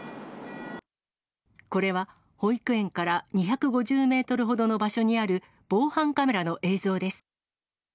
これは保育園から２５０メートルほどの場所にある防犯カメラの映像です。